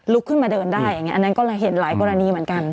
ขึ้นมาเดินได้อย่างนี้อันนั้นก็เห็นหลายกรณีเหมือนกัน